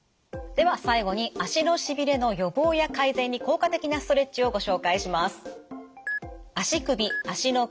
では最後に足のしびれの予防や改善に効果的なストレッチをご紹介します。